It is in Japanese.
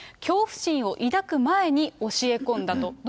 恐怖心を抱く前に教え込んだと。